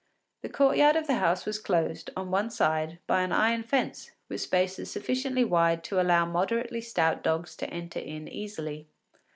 The court yard of the house was closed, on one side, by an iron fence with spaces sufficiently wide to allow moderately stout dogs to enter in easily.